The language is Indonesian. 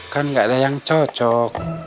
kan nggak ada yang cocok